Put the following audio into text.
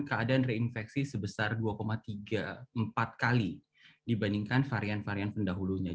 keadaan reinfeksi sebesar dua tiga puluh empat kali dibandingkan varian varian pendahulunya